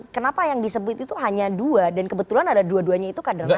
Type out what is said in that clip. kenapa yang disebut itu hanya dua dan kebetulan ada dua duanya itu kader partai